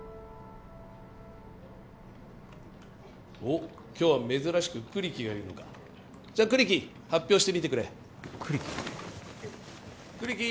・おっ今日は珍しく栗木がいるのかじゃあ栗木発表してみてくれ栗木？